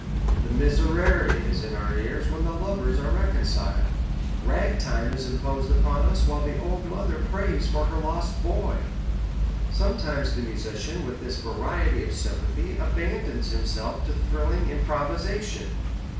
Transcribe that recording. The Miserere is in our ears when the lovers are reconciled. Ragtime is imposed upon us while the old mother prays for her lost boy. Sometimes the musician with this variety of sympathy abandons himself to thrilling improvisation.